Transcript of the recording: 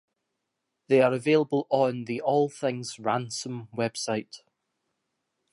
They are available on the "All Things Ransome" website.